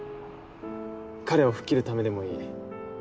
彼を吹っ切るためでもいい。